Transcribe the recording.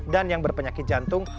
dan yang berpenyakit jantung